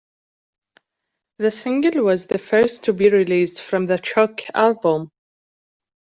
The single was the first to be released from the "Choke" album.